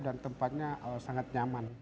dan tempatnya sangat nyaman